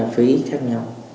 phí khác nhau